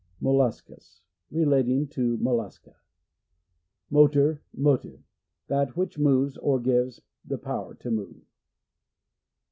Molluscous. — Relating to Mollusca. Motor. ) That which moves, or Motive. ^ gives the power to move.